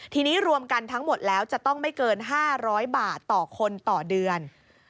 ทีนี้รวมกันทั้งหมดแล้วจะต้องไม่เกิน๕๐๐บาทต่อคนต่อเดือน